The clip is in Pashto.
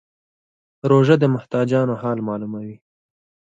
روژه د محتاجانو حال معلوموي.